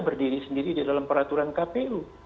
berdiri sendiri di dalam peraturan kpu